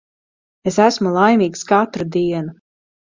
Es esmu laimīgs katru dienu.